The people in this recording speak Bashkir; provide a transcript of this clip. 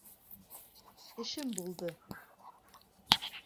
Эшем булды.